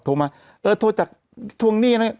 โทรมาเออโทรจากทวงหนี้นะ